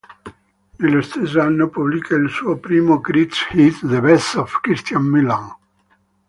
Nello stesso anno pubblica il suo primo greatest hits "The Best of Christina Milian".